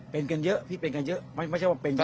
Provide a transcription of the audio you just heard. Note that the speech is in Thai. เป็นกันเยอะพี่เป็นกันเยอะไม่ใช่ว่าเป็นเยอะ